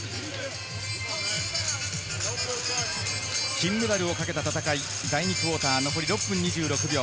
金メダルをかけた戦い、第２クオーター残り６分２６秒。